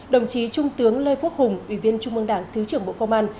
đồng chí trung tướng lê quốc hùng ủy viên trung mương đảng thứ trưởng bộ công an